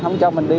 không cho mình đi